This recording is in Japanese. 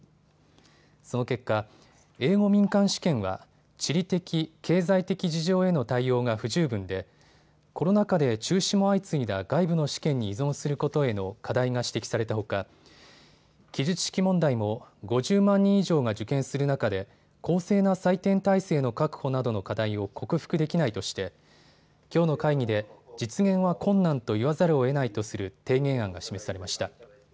その結果、英語民間試験は地理的、経済的事情への対応が不十分でコロナ禍で中止も相次いだ外部の試験に依存することへの課題が指摘されたほか記述式問題も５０万人以上が受験する中で公正な採点体制の確保などの課題を克服できないとしてきょうの会議で、実現は困難と言わざるをえないとする提言案が示されました。